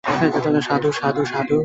সাধু সাধু।